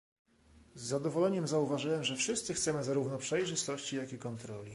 Z zadowoleniem zauważyłem, że wszyscy chcemy zarówno przejrzystości jak i kontroli